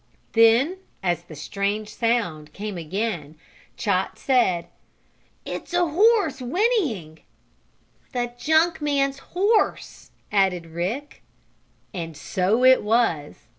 Then, as the strange sound came again, Chot said: "It's just a horse whinneying!" "The junk man's horse," added Rick. And so it was.